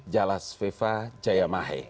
jalas viva jayamahe